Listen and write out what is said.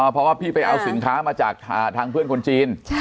เพราะว่าพี่ไปเอาสินค้ามาจากทางเพื่อนคนจีน